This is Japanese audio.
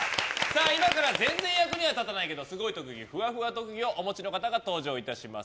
今から、全然役には立たないけどすごい特技ふわふわ特技をお持ちの方が登場いたします。